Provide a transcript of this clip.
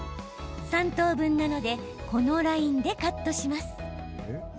３等分なのでこのラインでカットします。